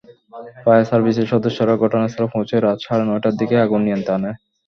Fire সার্ভিসের সদস্যরা ঘটনাস্থলে পৌঁছে রাত সাড়ে নয়টার দিকে আগুন নিয়ন্ত্রণে আনে।